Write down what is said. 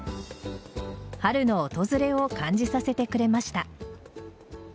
春の訪れを感じさせてくれました。